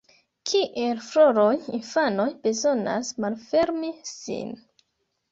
Kiel floroj, infanoj bezonas ‘malfermi’ sin.